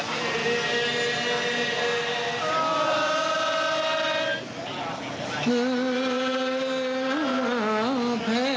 อิสิทธิ์